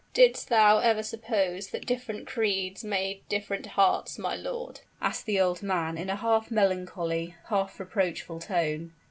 "Didst thou ever suppose that different creeds made different hearts, my lord?" asked the old man, in a half melancholy, half reproachful tone.